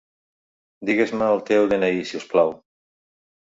Digues-me el teu de-ena-i, si us plau.